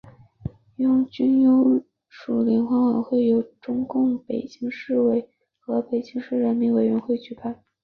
拥军优属联欢晚会由中共北京市委和北京市人民委员会举办。